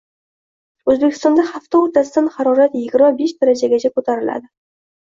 O‘zbekistonda hafta o‘rtasidan haroratyigirma beshdarajagacha ko‘tariladi